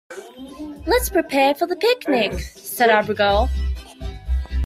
"Let's prepare for the picnic!", said Abigail.